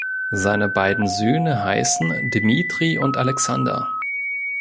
Seine beiden Söhne heißen Dmitri und Alexander.